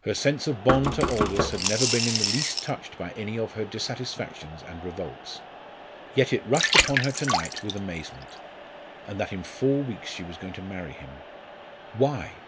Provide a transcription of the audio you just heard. Her sense of bond to Aldous had never been in the least touched by any of her dissatisfactions and revolts. Yet it rushed upon her to night with amazement, and that in four weeks she was going to marry him! Why?